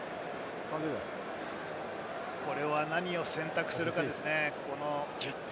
これは何を選択するかですね。